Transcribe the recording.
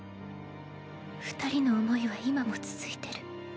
二人の思いは今も続いてる。